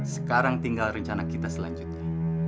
sekarang tinggal rencana kita selanjutnya